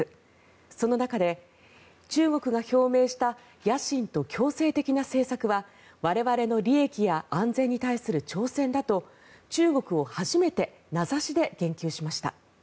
その中で、中国が表明した野心と強制的な政策は我々の利益や安全に対する挑戦だと中国を初めて名指しで言及しました。